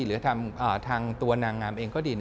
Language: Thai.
หรือทางตัวนางงามเองก็ดี